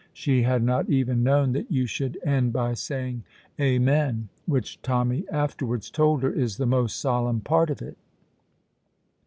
She had not even known that you should end by saying "Amen," which Tommy afterwards told her is the most solemn part of it.